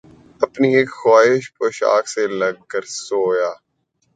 اپنی اِک خواہشِ پوشاک سے لگ کر سویا